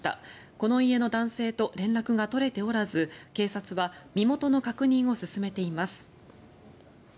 この家の男性と連絡が取れておらず警察は身元の確認を進めています。